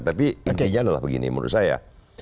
tapi intinya adalah begini menurut saya